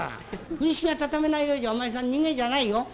風呂敷が畳めないようじゃお前さん人間じゃないよ」。